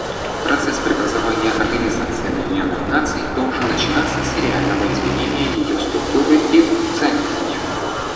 Процесс преобразования Организации Объединенных Наций должен начаться с реального изменения ее структуры и функционирования.